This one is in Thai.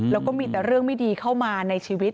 แล้วก็มีแต่เรื่องไม่ดีเข้ามาในชีวิต